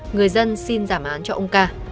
người dân xin giảm án cho ông ca